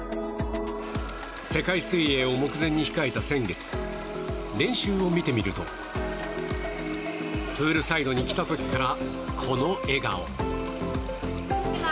世界水泳を目前に控えた先月練習を見てみるとプールサイドに来た時からこの笑顔。